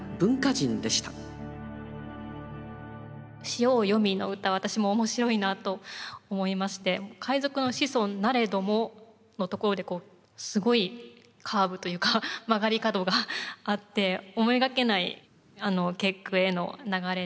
「潮を読み」の歌は私も面白いなと思いまして「海賊の子孫なれども」のところでこうすごいカーブというか曲がり角があって思いがけない結句への流れで。